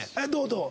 どう？